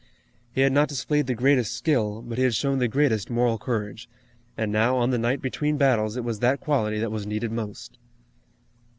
He had not displayed the greatest skill, but he had shown the greatest moral courage, and now on the night between battles it was that quality that was needed most.